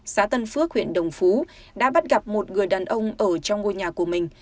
xã tân phước huyện đồng phú đã bắt gặp một người đàn ông ở trong ngôi nhà của mình